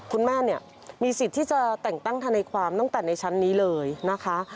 คุณแม่เนี่ยมีสิทธิ์ที่จะแต่งตั้งทนายความตั้งแต่ในชั้นนี้เลยนะคะ